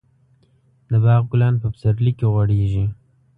د باغ ګلان په پسرلي کې غوړېږي.